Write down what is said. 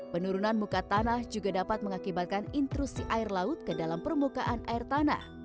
penurunan muka tanah juga dapat mengakibatkan intrusi air laut ke dalam permukaan air tanah